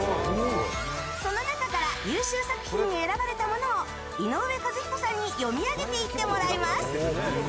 その中から優秀作品に選ばれたものを井上和彦さんに詠み上げていってもらいます。